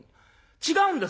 「違うんです。